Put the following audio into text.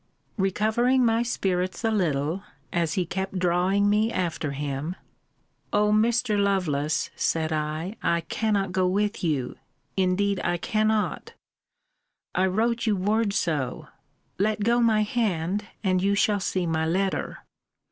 Recovering my spirits a little, as he kept drawing me after him, O Mr. Lovelace, said I, I cannot go with you indeed I cannot I wrote you word so let go my hand, and you shall see my letter.